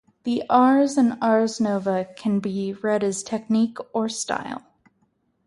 The "ars" in "ars nova" can be read as "technique", or "style".